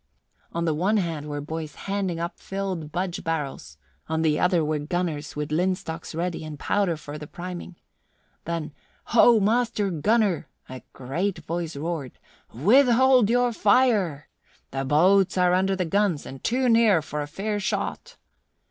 On the one hand were boys handing up filled budge barrels; on the other were gunners with linstocks ready and powder for the priming. Then, "Ho, Master Gunner," a great voice roared, "withhold your fire! The boats are under the guns and too near for a fair shot!"